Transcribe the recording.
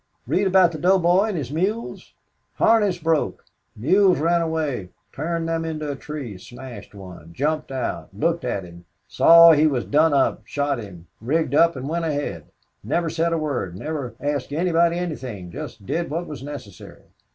Read about the doughboy and his mules? Harness broke mules ran away turned them into a tree smashed one jumped out, looked at him, saw he was done up, shot him, rigged up and went ahead, never said a word, never asked anybody anything, just did what was necessary.